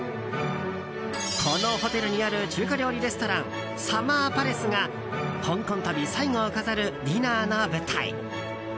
このホテルにある中華料理レストランサマーパレスが香港旅最後を飾るディナーの舞台。